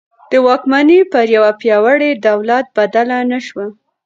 د واکمني پر یوه پیاوړي دولت بدله نه شوه.